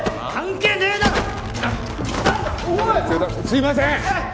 すいません！